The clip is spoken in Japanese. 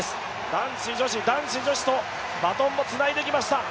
男子、女子、男子、女子とバトンをつないできました。